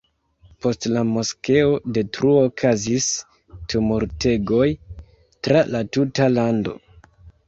Post la moskeo-detruo okazis tumultegoj tra la tuta lando.